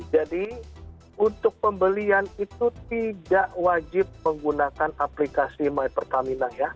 jadi untuk pembelian itu tidak wajib menggunakan aplikasi mypertamina ya